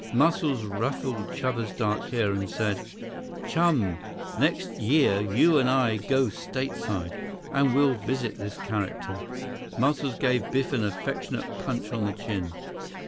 Muscles ruffled Chuba's dark hair and said, "Chum, next year you and I go Stateside, and we'll visit this character." Muscles gave Biff an affectionate punch on the chin.